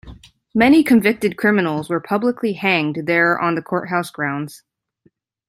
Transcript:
Many convicted criminals were publicly hanged there on the courthouse grounds.